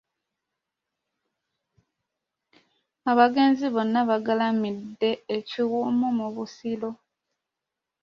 Abagenzi bonna bagalamidde e Kiwumu mu Busiro.